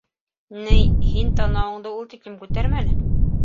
Ни, һин танауыңды ул тиклем күтәрмә әле.